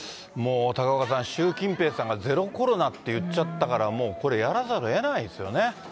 高岡さん、習近平さんがゼロコロナって言っちゃったから、もうこれ、やらざるをえないですよね。